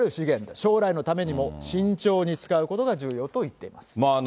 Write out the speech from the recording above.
将来のためにも慎重に使うことが重要といっています。